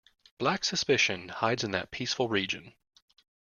Black suspicion hides in that peaceful region.